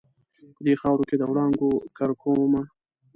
په دې خاورو کې د وړانګو کرکومه